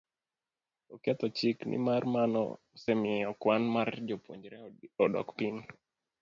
oketho chik, nimar mano osemiyo kwan mar jopuonjre odok piny,